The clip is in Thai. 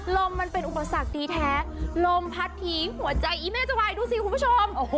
มันเป็นอุปสรรคดีแท้ลมพัดทีหัวใจอีเม่จะวายดูสิคุณผู้ชม